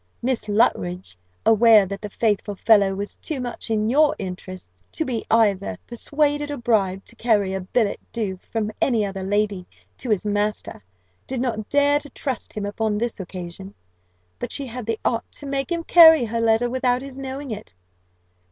Miss Luttridge, aware that the faithful fellow was too much in your interests to be either persuaded or bribed to carry a billet doux from any other lady to his master, did not dare to trust him upon this occasion; but she had the art to make him carry her letter without his knowing it.